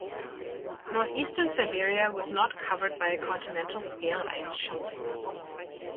Northeastern Siberia was not covered by a continental-scale ice sheet.